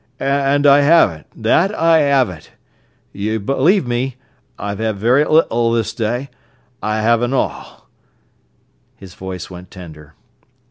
"An' I 'aven't—that I 'aven't. You b'lieve me, I've 'ad very little this day, I have an' all." His voice went tender.